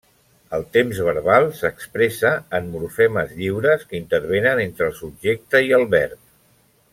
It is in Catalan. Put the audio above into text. El temps verbal s'expressa en morfemes lliures que intervenen entre el subjecte i el verb.